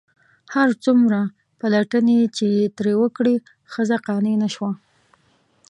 هر څومره پلټنې چې یې ترې وکړې ښځه قانع نه شوه.